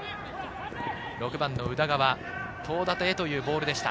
６番・宇田川、東舘へというボールでした。